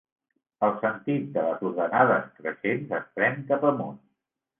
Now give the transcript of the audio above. El sentit de les ordenades creixents es pren cap amunt.